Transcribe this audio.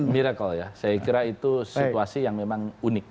miracle ya saya kira itu situasi yang memang unik